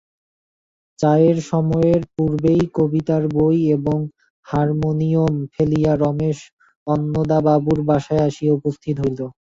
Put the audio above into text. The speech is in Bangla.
চায়ের সময়ের পূর্বেই কবিতার বই এবং হারমোনিয়ম ফেলিয়া রমেশ অন্নদাবাবুর বাসায় আসিয়া উপস্থিত হইল।